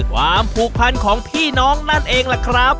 ความผูกพันของพี่น้องนั่นเองล่ะครับ